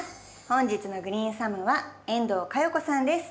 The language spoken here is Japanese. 本日のグリーンサムは遠藤佳代子さんです。